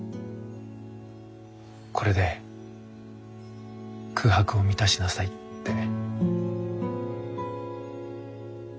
これで空白を満たしなさいって。